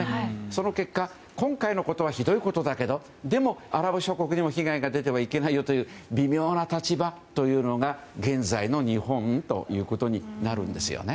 その結果今回のことはひどいことだけどでも、アラブ諸国にも被害が出てはいけないよという微妙な立場というのが現在の日本となるんですよね。